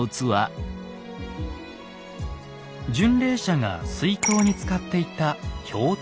巡礼者が水筒に使っていた瓢箪。